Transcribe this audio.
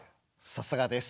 さすがです。